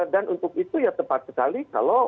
dan untuk itu ya tepat sekali